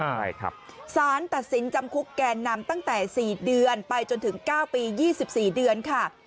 ใช่ครับสารตัดสินจำคุกแกนนำตั้งแต่๔เดือนไปจนถึง๙ปี๒๔เดือนค่ะ